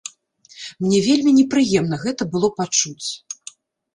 Мне вельмі непрыемна гэта было пачуць.